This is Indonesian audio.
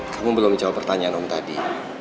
kamu belum jawab pertanyaan om tadi